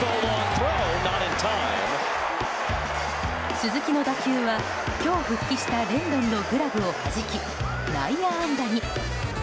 鈴木の打球は今日、復帰したレンドンのグラブをはじき内野安打に。